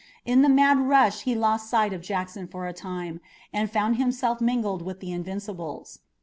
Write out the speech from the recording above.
In the mad rush he lost sight of Jackson for the time, and found himself mingled with the Invincibles.